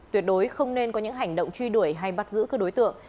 tuyệt đối không nên có những hành động truy đuổi hay bắt giữ các đối tượng